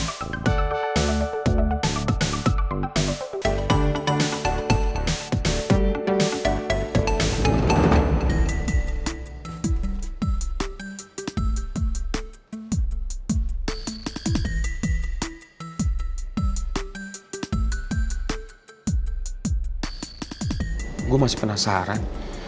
aku masih penasaran